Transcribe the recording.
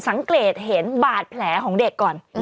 สังเกตเห็นบาดแผลของเด็กก่อน